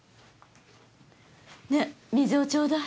ねえ水をちょうだい。